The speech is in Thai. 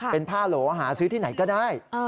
เป็นผ้าโหลหาซื้อที่ไหนก็ได้